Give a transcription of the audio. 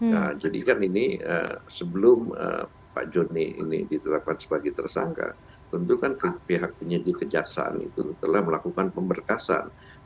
nah jadi kan ini sebelum pak joni ini ditetapkan sebagai tersangka tentu kan pihak penyidik kejaksaan itu telah melakukan pemberkasan